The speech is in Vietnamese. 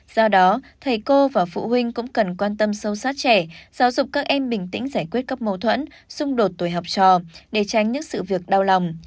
do đó thầy cô và phụ huynh cũng cần quan tâm sâu sát trẻ giáo dục các em bình tĩnh giải quyết các mâu thuẫn xung đột tuổi học trò để tránh những sự việc đau lòng